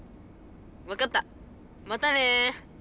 分かったまたね。